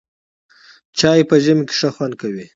چای په ژمي کې ښه خوند کوي.